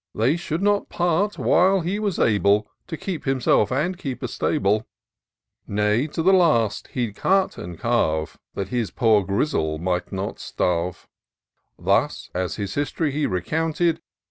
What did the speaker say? They should not part while he was able To keep himself and keep a stable ; Nay, to the last he'd cut and carve. That his poor Grizzle might not starve. Thus, as his hist'ry he recounted.